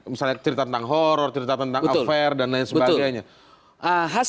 misalnya cerita tentang horror cerita tentang affair dan lain sebagainya